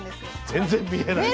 全然見えない。